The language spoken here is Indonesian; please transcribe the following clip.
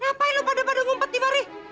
ngapain lu pada pada ngumpet nih hari